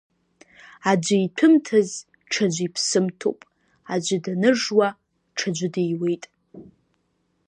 Аӡәы иҭәымҭаз, ҽаӡәы иԥсымҭоуп, аӡәы даныржуа ҽаӡәы диуеит.